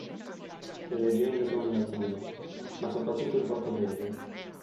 Le legende sono in latino, ma soprattutto in portoghese.